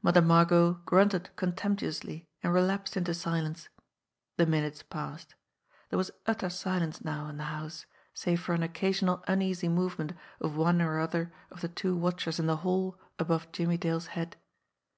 Mother Margot grunted contemptuously, and relapsed into silence. The minutes passed. There was utter silence now in the house, save for an occasional uneasy movement of one or other of the two watchers in the hall above Jimmie Dale's head.